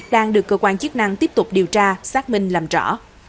đang được cơ quan chức năng tiếp tục điều tra xác minh làm rõ